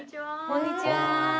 こんにちは。